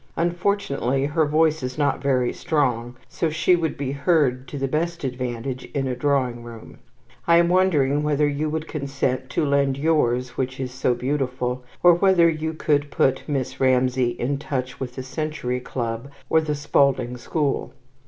Unfortunately her voice is not very strong, so she would be heard to the best advantage in a drawing room. I am wondering whether you would consent to lend yours, which is so beautiful, or whether you could put Miss Ramsay in touch with the Century Club, or the Spalding School.